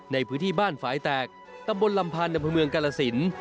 ในพื้นที่บ้านฝ่ายแตกตำบลลำพันธ์อำเภอเมืองกาลสิน